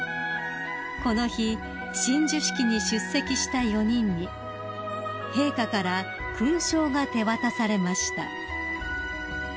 ［この日親授式に出席した４人に陛下から勲章が手渡されました］